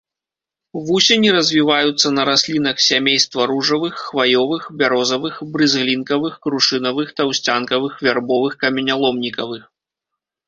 Вусені развіваюцца на раслінах сямейства ружавых, хваёвых, бярозавых, брызглінавых, крушынавых, таўсцянкавых, вярбовых, каменяломнікавых.